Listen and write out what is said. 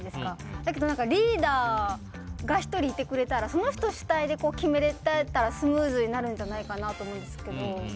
だけど、リーダーが１人いてくれたらその人主体で決められたらスムーズになるんじゃないかなと思うんですけど。